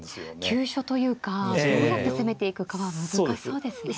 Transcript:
急所というかどうやって攻めていくかは難しそうですね。